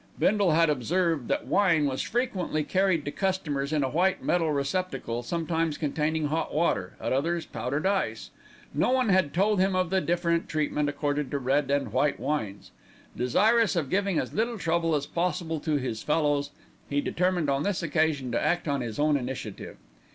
Bindle had observed that wine was frequently carried to customers in a white metal receptacle, sometimes containing hot water, at others powdered ice. No one had told him of the different treatment accorded to red and white wines. Desirous of giving as little trouble as possible to his fellows, he determined on this occasion to act on his own initiative.